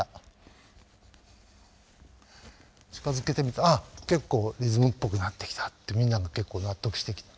近づけてみるとあっ結構リズムっぽくなってきたってみんなも結構納得してきた。